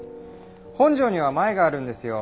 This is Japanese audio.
本庄にはマエがあるんですよ。